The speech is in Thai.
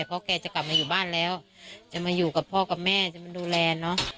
เพราะแกจะกลับมาอยู่บ้านแล้วจะมาอยู่กับพ่อกับแม่จะมาดูแลเนอะ